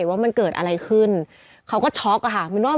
ทำงานครบ๒๐ปีได้เงินชดเฉยเลิกจ้างไม่น้อยกว่า๔๐๐วัน